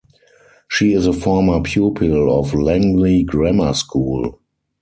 She is a former pupil of Langley Grammar School.